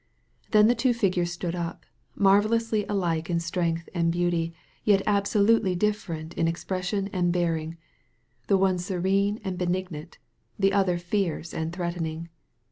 Then the two figures stood up, marvellously alike in strength and beauty, yet absolutely different in expression and bearing, the one serene and benig nant, the other fierce and threatening.